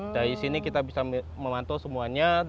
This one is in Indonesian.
dari sini kita bisa memantau semuanya